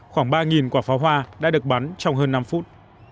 khoảng ba quả pháo hoa đã được bắn trong hơn năm phút